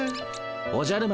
おじゃる丸